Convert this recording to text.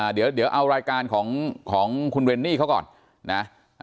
เดี๋ยวเอารายการของคุณเวนนี่เขาก่อนนะ